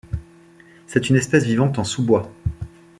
C'est une espèce vivant en sous-bois.